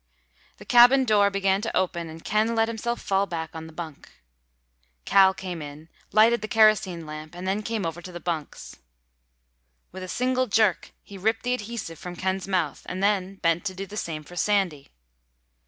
The cabin door began to open and Ken let himself fall back on the bunk. Cal came in, lighted the kerosene lamp, and then came over to the bunks. With a single jerk he ripped the adhesive from Ken's mouth, and then bent to do the same for Sandy.